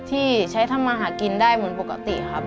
ที่ใช้ทำมาหากินได้เหมือนปกติครับ